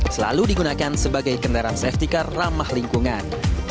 selalu digunakan sebagai kendaraan safety car ramah lingkungan